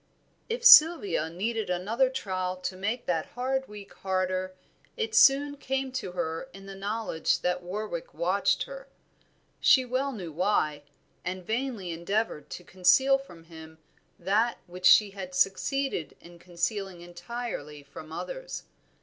If Sylvia needed another trial to make that hard week harder, it soon came to her in the knowledge that Warwick watched her. She well knew why, and vainly endeavored to conceal from him that which she had succeeded in concealing entirely from others.